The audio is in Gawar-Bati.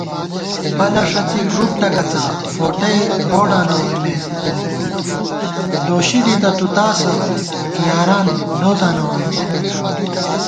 پَلہ ݭڅِی گۡروپ ٹکَڅا ، فوٹَئ روڈاں نہ ووئیمېت * لوشی دِتہ تُو تاسہ یاران لوزاں نہ ووئیمېت